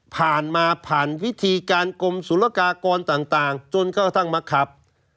ผ่านมาผ่านวิธีการกรมศุลกากรต่างจนกระทั่งมาขับ